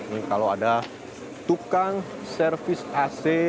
ini kalau ada tukang servis ac